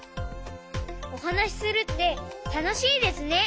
おはなしするってたのしいですね！